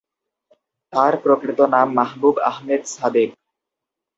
তার প্রকৃত নাম মাহবুব আহমেদ সাদেক।